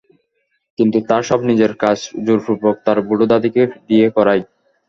কিন্তু তার সব নিজের কাজ জোরপূর্বক তার বুড়ো দাদীকে দিয়ে করায়।